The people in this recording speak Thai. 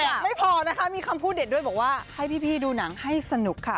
ยังไม่พอนะคะมีคำพูดเด็ดด้วยบอกว่าให้พี่ดูหนังให้สนุกค่ะ